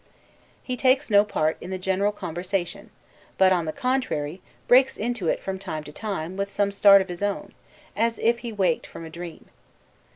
He takes no part in the general conversation; but, on the contrary, breaks into it from time to time, with some start of his own, as if he waked from a dream.